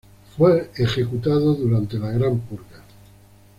Fue ejecutado durante la Gran Purga.